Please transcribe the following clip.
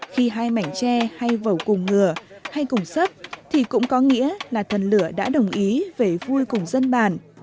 khi hai mảnh tre hay vầu cùng ngừa hay cùng sấp thì cũng có nghĩa là thần lửa đã đồng ý về vui cùng dân bàn